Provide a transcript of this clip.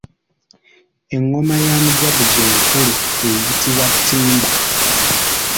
Engoma ya mujaguzo enkulu eyitibwa Ttimba.